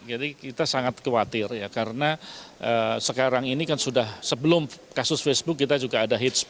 jadi kita sangat khawatir ya karena sekarang ini kan sudah sebelum kasus facebook kita juga ada hate speech ya